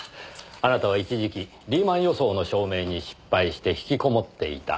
あなたは一時期リーマン予想の証明に失敗して引きこもっていた。